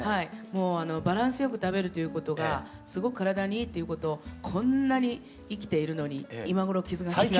バランス良く食べるということがすごく体にいいっていうことをこんなに生きているのに今頃気が付いて。